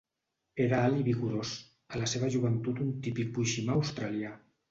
Era alt i vigorós, a la seva joventut un típic boiximà australià.